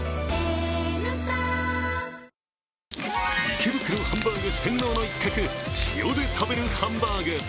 池袋ハンバーグ四天王の一角、塩で食べるハンバーグ。